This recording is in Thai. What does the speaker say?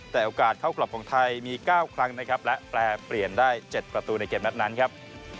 แต่โอกาสเข้ากลับของไทยมี๙ครั้งนะครับและแปรเปลี่ยนได้๗ประตูในเกมนัดนั้นครับ